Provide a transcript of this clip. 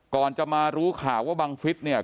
ก่อนจะมารู้ข่าวว่าบังฟิศเนี่ย